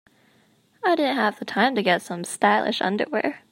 I didn't have time to get some stylish underwear.